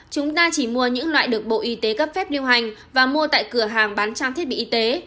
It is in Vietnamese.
chúng ta chỉ mua những loại được bộ y tế cấp phép lưu hành và mua tại cửa hàng bán trang thiết bị y tế